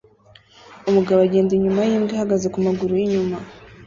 Umugabo agenda inyuma yimbwa ihagaze kumaguru yinyuma